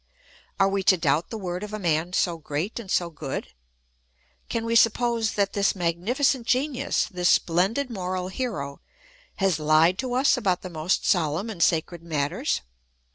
Are we to doubt the word of a man so great and so good ? Can we suppose that this magnificent genius, this splendid moral hero, has lied to us about the most solemn and sacred matters